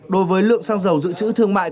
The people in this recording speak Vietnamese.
đối với lượng xăng dầu dự trữ thương mại